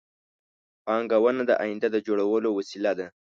پانګونه د آینده د جوړولو وسیله ده